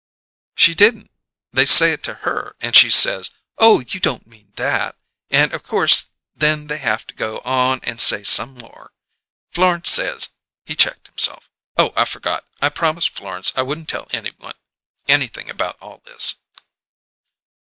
"She didn't. They say it to her, and she says? 'Oh, you don't mean that!' and of course then they haf to go on and say some more. Florence says " He checked himself. "Oh, I forgot! I promised Florence I wouldn't tell anything about all this."